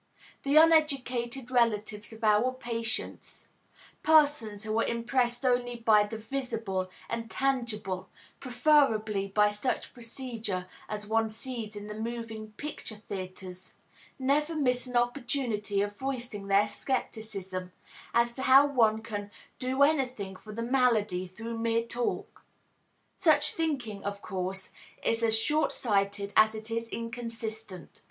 The uneducated relatives of our patients persons who are impressed only by the visible and tangible, preferably by such procedure as one sees in the moving picture theatres never miss an opportunity of voicing their scepticism as to how one can "do anything for the malady through mere talk." Such thinking, of course, is as shortsighted as it is inconsistent.